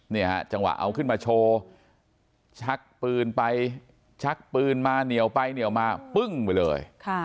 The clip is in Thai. จังหวะเอาขึ้นมาโชว์ชักปืนไปชักปืนมาเหนียวไปเหนียวมาปึ้งไปเลย